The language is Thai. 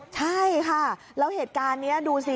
ใช่ค่ะแล้วเหตุการณ์นี้ดูสิ